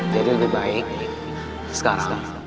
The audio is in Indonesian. jadi lebih baik sekarang